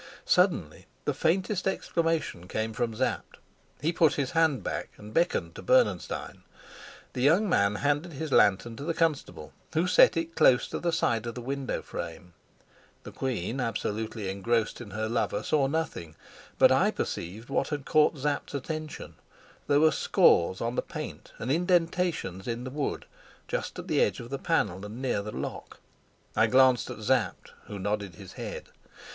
Suddenly the faintest exclamation came from Sapt. He put his hand back and beckoned to Bernenstein. The young man handed his lantern to the constable, who set it close to the side of the window frame. The queen, absolutely engrossed in her lover, saw nothing, but I perceived what had caught Sapt's attention. There were scores on the paint and indentations in the wood, just at the edge of the panel and near the lock. I glanced at Sapt, who nodded his head.